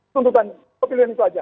tuntutan kepilihan itu saja